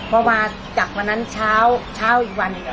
เพราะว่าจากวันนั้นเช้าอีกวัน